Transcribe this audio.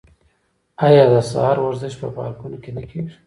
آیا د سهار ورزش په پارکونو کې نه کیږي؟